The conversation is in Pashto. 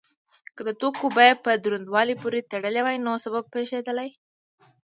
که د توکو بیه په دروندوالي پورې تړلی وای نو څه به پیښیدل؟